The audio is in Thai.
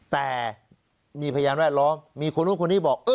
แต่มีพยาลม์แบดล้อมมีคนหนึ่งคนอื่นบอก